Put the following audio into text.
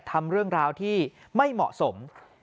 ทำเรื่องราวที่ไม่เหมาะสม